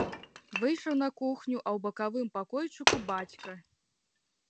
Выйшаў на кухню, а ў бакавым пакойчыку бацька.